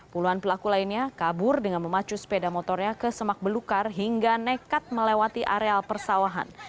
puluhan pelaku lainnya kabur dengan memacu sepeda motornya ke semak belukar hingga nekat melewati areal persawahan